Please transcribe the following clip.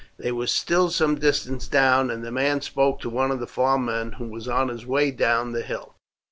They were still some distance down, and the man spoke to one of the farm men who was on his way down the hill.